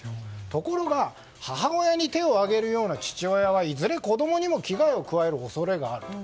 ところが母親に手を上げるような父親はいずれ子供にも危害を加える恐れがあると。